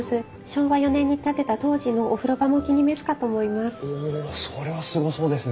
昭和４年に建てた当時のお風呂場もお気に召すかと思います。